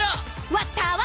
ワッターは